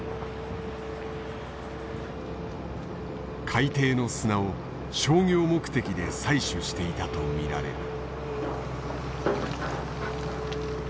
海底の砂を商業目的で採取していたと見られる。